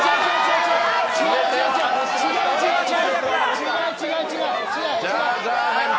違う、違う、違う！